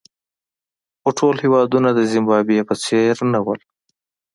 خو ټول هېوادونه د زیمبابوې په څېر نه وو.